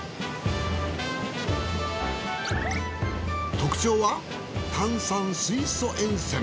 特徴は炭酸水素塩泉。